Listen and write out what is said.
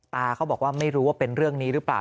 เขาบอกว่าไม่รู้ว่าเป็นเรื่องนี้หรือเปล่า